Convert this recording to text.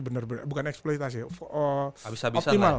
benar benar bukan eksploitasi optimal